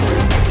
nya juga bisa